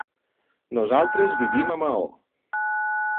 Nosaltres vivim a Maó.